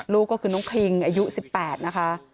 ลูกก็คือน้องคลิงอายุ๑๘นะคะ